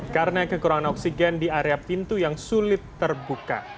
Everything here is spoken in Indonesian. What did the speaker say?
karena kekurangan oksigen di area pintu yang sulit terbuka